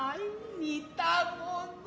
似たもの。